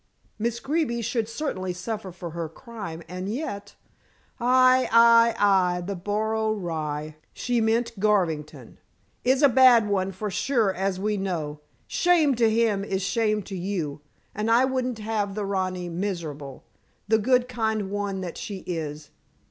Miss Greeby should certainly suffer for her crime, and yet " "Aye! Aye! Aye! The boro rye," she meant Garvington, "is a bad one for sure, as we know. Shame to him is shame to you, and I wouldn't have the rani miserable the good kind one that she is.